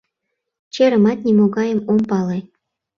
Черымат нимогайым ом пале...